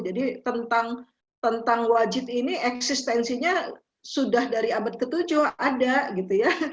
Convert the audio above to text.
jadi tentang wajit ini eksistensinya sudah dari abad ke tujuh ada gitu ya